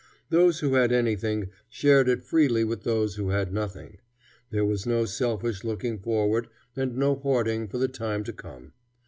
Those who had anything shared it freely with those who had nothing. There was no selfish looking forward, and no hoarding for the time to come.